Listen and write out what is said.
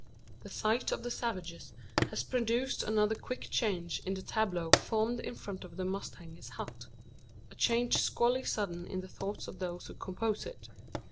The sight of the savages has produced another quick change in the tableau formed in front of the mustanger's hut a change squally sudden in the thoughts of those who compose it.